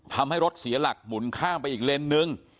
ทำให้รถเสียหลักหมุนข้ามไปอีกเลนส์นึง